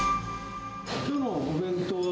きょうのお弁当は？